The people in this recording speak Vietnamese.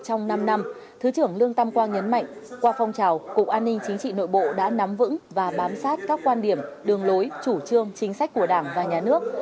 trong năm năm thứ trưởng lương tam quang nhấn mạnh qua phong trào cục an ninh chính trị nội bộ đã nắm vững và bám sát các quan điểm đường lối chủ trương chính sách của đảng và nhà nước